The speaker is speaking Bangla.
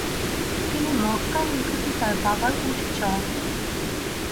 তিনি মক্কার নিকটে তার বাবার উট চরাতেন।